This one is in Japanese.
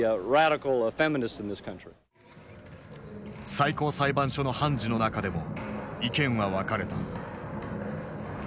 最高裁判所の判事の中でも意見は分かれた。